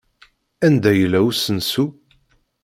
Anda yella usensu?